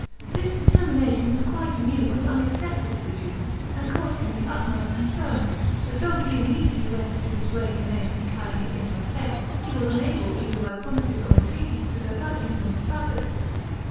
This determination was quite new and unexpected to the duke, and caused him the utmost concern; but though he immediately went to dissuade René from carrying it into effect, he was unable either by promises or entreaties to divert him from his purpose.